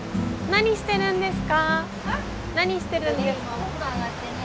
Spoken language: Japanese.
何してたんですか？